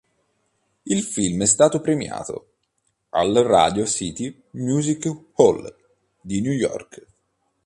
Il film è stato premiato al Radio City Music Hall di New York.